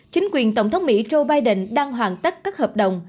chính quyền tổng thống mỹ joe biden đang hoàn tất các hợp đồng